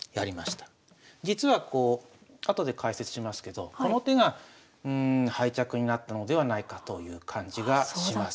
実はこう後で解説しますけどこの手が敗着になったのではないかという感じがします。